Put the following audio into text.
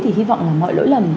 thì hy vọng là mọi lỗi lầm